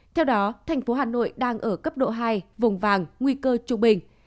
theo đó thành phố hà nội đang ở cấp độ hai vùng vàng nguy cơ trung bình